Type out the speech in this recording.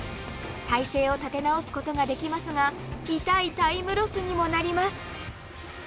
態勢を立て直すことができますが痛いタイムロスにもなります。